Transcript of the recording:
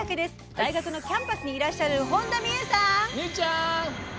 大学のキャンパスにいらっしゃる、本田望結さん！